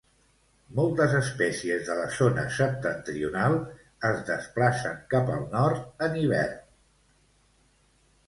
Moltes espècies de la zona septentrional, es desplacen cap al nord en hivern.